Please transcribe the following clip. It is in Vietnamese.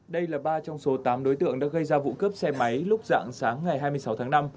đây là ba trong số tám đối tượng đã gây ra vụ cướp xe máy lúc dạng sáng ngày hai mươi sáu tháng năm